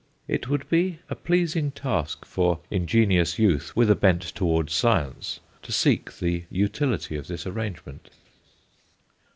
It would be a pleasing task for ingenious youth with a bent towards science to seek the utility of this arrangement.